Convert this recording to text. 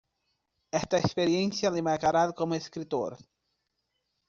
Esta experiencia le marcará como escritor.